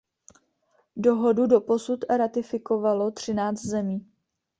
Dohodu doposud ratifikovalo třináct zemí.